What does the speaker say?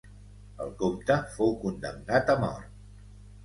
El comte fou condemnat a mort.